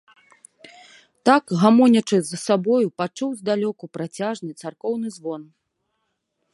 Так гамонячы з сабою, пачуў здалёку працяжны царкоўны звон.